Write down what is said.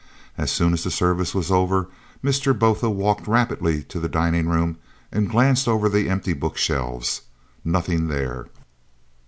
As soon as the service was over Mr. Botha walked rapidly to the dining room and glanced over the empty book shelves. Nothing there!